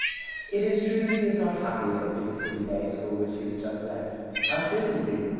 It is true that he is not happy at the big City day school which he has just left. How should he be?